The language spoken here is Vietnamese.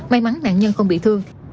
may mắn nạn nhân không bị thương